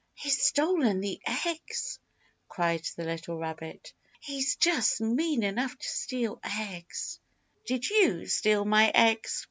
"He's stolen the eggs!" cried the little rabbit. "He's just mean enough to steal eggs!" [Illustration: "Did You Steal My Eggs?"